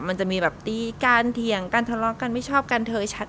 มันจะมีแบบตีกันเถียงกันทะเลาะกันไม่ชอบกันเธอชัด